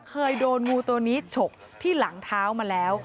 เคยโดนงูตัวนี้ฉกที่หลังเท้ามาแล้ว